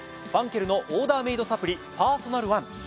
ファンケルのオーダーメイドサプリパーソナルワン。